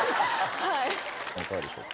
・いかがでしょう？